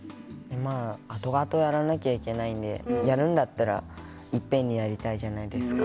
あとあとやらなきゃいけないのでやるんだったらいっぺんにやりたいじゃないですか。